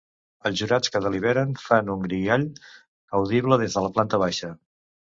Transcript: Els jurats que deliberen fan un guirigall audible des de la planta baixa.